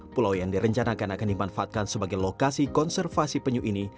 pulau yang direncanakan akan dimanfaatkan sebagai lokasi konservasi penyu ini